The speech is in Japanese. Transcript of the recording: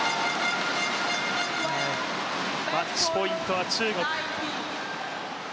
マッチポイントは中国。